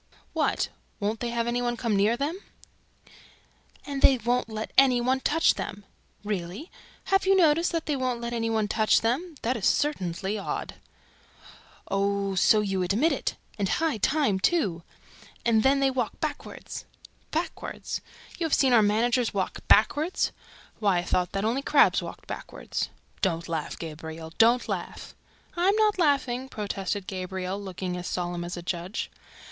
"What? WON'T THEY HAVE ANY ONE COME NEAR THEM?" "AND THEY WON'T LET ANY ONE TOUCH THEM!" "Really? Have you noticed THAT THEY WON'T LET ANY ONE TOUCH THEM? That is certainly odd!" "Oh, so you admit it! And high time, too! And THEN, THEY WALK BACKWARD!" "BACKWARD! You have seen our managers WALK BACKWARD? Why, I thought that only crabs walked backward!" "Don't laugh, Gabriel; don't laugh!" "I'm not laughing," protested Gabriel, looking as solemn as a judge.